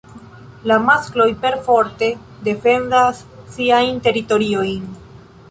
La maskloj perforte defendas siajn teritoriojn.